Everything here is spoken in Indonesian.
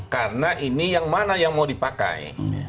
karena ini yang mana yang mau dipakai